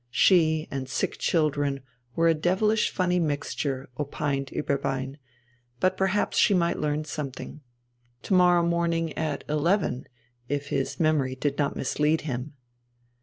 She and sick children were a devilish funny mixture, opined Ueberbein, but perhaps she might learn something. To morrow morning at eleven, if his memory did not mislead him.